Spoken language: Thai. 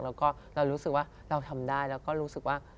แล้วก็เรารู้สึกว่าเราทำได้แล้วก็รู้สึกว่า